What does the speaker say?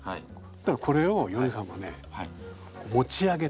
これをヨネさんがね持ち上げて。